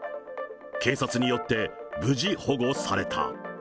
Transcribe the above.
警察によって、無事保護された。